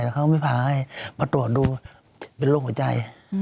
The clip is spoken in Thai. แต่เขาก็ไม่พาให้มาตรวจดูเป็นโรคหัวใจ